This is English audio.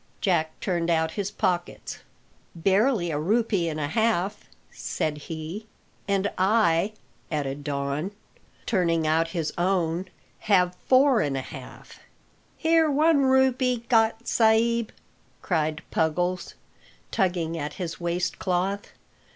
Jack turned out his pockets. "Barely a rupee and a half," said he, "And I," added Don, turning out his own, "have four and a half." "Here one rupee got, sa'b," cried Puggles, tugging at his waist cloth.